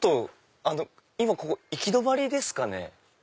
ここ行き止まりですかね？